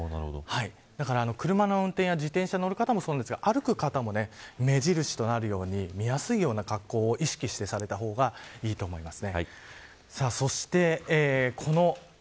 だから、車の運転や自転車に乗る方もそうですが歩く方も目印となるように見やすいような格好を意識された方がいいと思います。